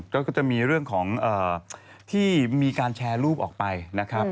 ก็จะมีเรื่องของที่มีการแชร์รูปออกไปนะครับ